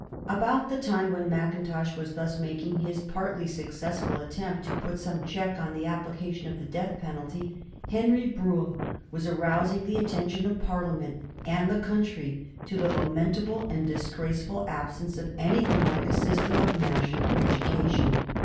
About the time when Mackintosh was thus making his partly successful attempt to put some check on the application of the death penalty, Henry Brougham was arousing the attention of Parliament and the country to the lamentable and disgraceful absence of anything like a system of national education.